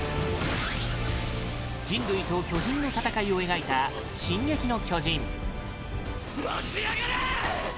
人類と巨人の戦いを描いた「進撃の巨人」エレン：待ちやがれ！